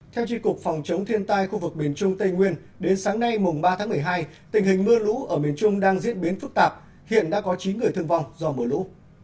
theo tri cục phòng chống thiên tai khu vực miền trung tây nguyên đến sáng nay mùng ba tháng một mươi hai tình hình mưa lũ ở miền trung đang diễn biến phức tạp hiện đã có chín người thương vong do mưa lũ